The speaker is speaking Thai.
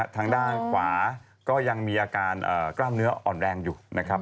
ทางด้านขวาก็ยังมีอาการกล้ามเนื้ออ่อนแรงอยู่นะครับ